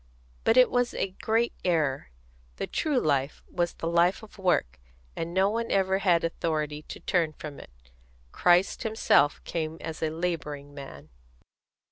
But it was a great error. The true life was the life of work, and no one ever had authority to turn from it. Christ Himself came as a labouring man."